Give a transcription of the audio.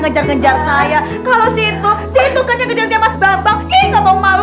ngejar ngejar saya kalau si itu si itu kan yang ngejar dia mas bambang ini gak tau malu